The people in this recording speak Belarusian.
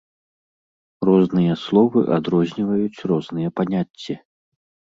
Розныя словы адрозніваюць розныя паняцці.